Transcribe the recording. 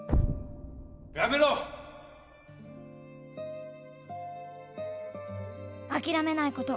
やめろ諦めないこと